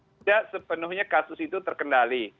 tidak sepenuhnya kasus itu terkendali